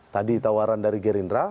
tadi tawaran dari gerindra